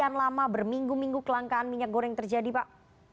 sekian lama berminggu minggu kelangkaan minyak goreng terjadi pak